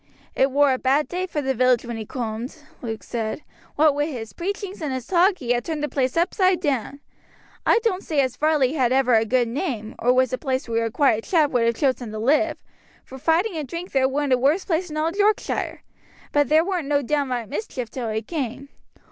"It war a bad day for the village when he coomed," Luke said; "what wi' his preachings and his talk, he ha' turned the place upside down. I doan't say as Varley had ever a good name, or was a place where a quiet chap would have chosen to live, For fighting and drink there weren't a worse place in all Yorkshire, but there weren't no downright mischief till he came.